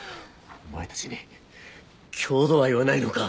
お前たちに郷土愛はないのか！？